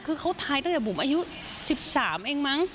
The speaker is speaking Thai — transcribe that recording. คือเขาทายตั้งแต่บุ๋มอายุ๑๓เองมั้ง